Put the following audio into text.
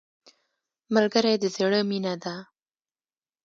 ملګری د زړه مینه ده